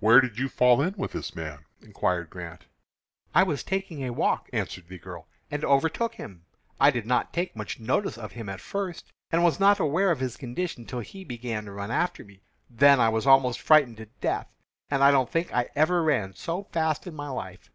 "Where did you fall in with this man?" inquired Grant. "I was taking a walk," answered the girl, "and overtook him. I did not take much notice of him at first, and was not aware of his condition till he began to run after me. Then I was almost frightened to death, and I don't think I ever ran so fast in my life."